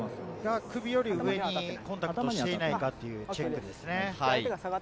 首より上にコンタクトしていないかどうかのチェックですね。